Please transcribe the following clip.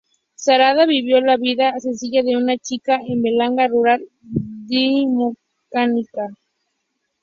Sarada vivió la vida sencilla de una chica de la Bengala rural decimonónica.